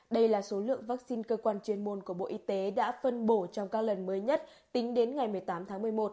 đây là số lượng vaccine cơ quan chuyên môn của bộ y tế đã phân bổ trong các lần mới nhất tính đến ngày một mươi tám tháng một mươi một